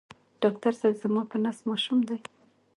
ډاکټر صېب زما په نس ماشوم دی